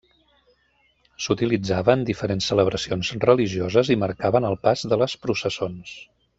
S'utilitzava en diferents celebracions religioses i marcaven el pas de les processons.